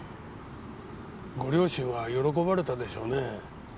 ご両親は喜ばれたでしょうね。